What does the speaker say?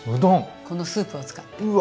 このスープを使って。